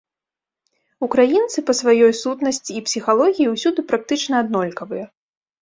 Украінцы па сваёй сутнасці і псіхалогіі ўсюды практычна аднолькавыя.